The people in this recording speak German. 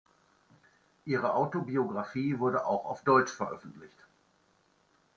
Ihre Autobiographie wurde auch auf Deutsch veröffentlicht.